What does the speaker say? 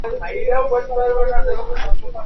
যা তাদের ইতিহাসের খাতায় নাম গেঁথে রয়েছে।